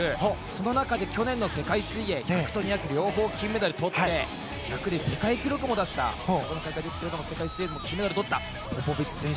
その中で去年の世界水泳１００と２００両方金メダルとって１００で世界記録も出した世界水泳でも金メダルをとったポポビッチ選手。